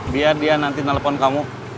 biar dia nanti nelfon kamu